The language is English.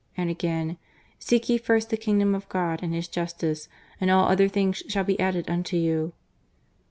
And again :" Seek ye first the Kingdom of God and His justice, and all other things shall be added unto you."